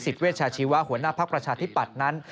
โดยในอภิษฐ์เวชชาชีวะหัวหน้าภักดิ์ประชาธิปัตย์นั้น